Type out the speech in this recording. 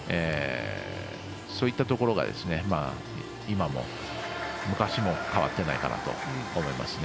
そういったところが今も、昔も変わっていないかなと思います。